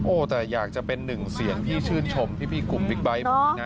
โอ้แต่อยากจะเป็น๑เสียงที่ชื่นชมพี่กลุ่มวิกไบต์